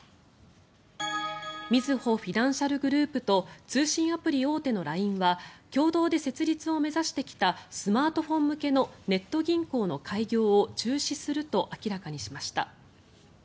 みずほフィナンシャルグループと通信アプリ大手のＬＩＮＥは共同で設立を目指してきたスマートフォン向けのネット銀行の開業を中止すると明らかにしました。